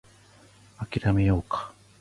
諦めようか